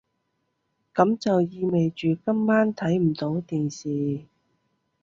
噉就意味住今晚睇唔到電視